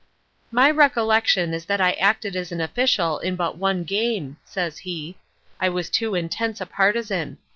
"My recollection is that I acted as an official in but one game," says he. "I was too intense a partisan.